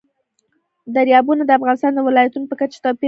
دریابونه د افغانستان د ولایاتو په کچه توپیر لري.